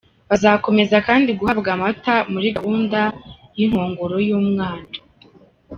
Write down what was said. Bazakomeza kandi guhabwa amata muri gahunda y’inkongoro y’umwana.